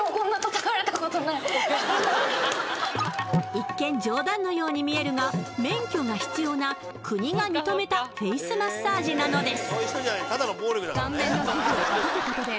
一見冗談のように見えるが免許が必要な国が認めたフェイスマッサージなのです